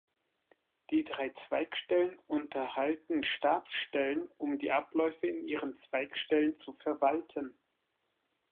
Die drei Zweigstellen unterhalten Stabsstellen, um die Abläufe in ihren Zweigstellen zu verwalten.